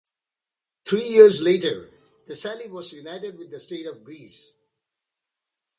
Three years later Thessaly was united with the state of Greece.